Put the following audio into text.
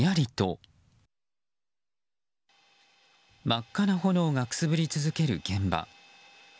真っ赤な炎がくすぶり続ける現場。